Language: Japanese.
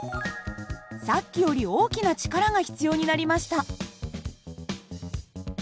さっきより大きな力が必要になりました。